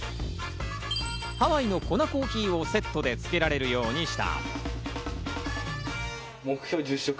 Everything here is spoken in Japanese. ハワイのコナコーヒーをセットでつけられるようにした。